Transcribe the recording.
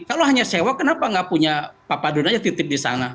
kalau hanya sewa kenapa nggak punya papan aja titip di sana